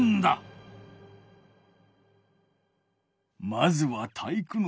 まずは体育ノ